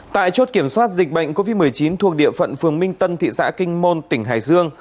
tại chốt kiểm soát dịch bệnh covid một mươi chín thuộc địa phận phường minh tân thị xã kinh môn tỉnh hải dương